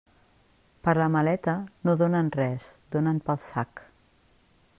Per la maleta no donen res, donen pel sac.